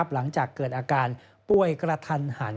หลังจากเกิดอาการป่วยกระทันหัน